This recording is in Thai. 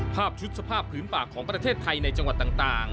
ภาพชุดสภาพพื้นปากของประเทศไทยในจังหวัดต่าง